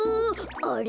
あれ？